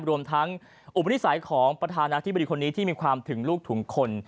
รวมทั้งอุปนิสัยของประธานาธิบดีคนนี้ที่มีความถึงลูกถึงคน